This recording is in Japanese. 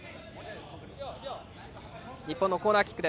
日本、コーナーキック。